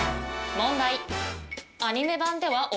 問題。